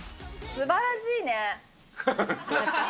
すばらしい。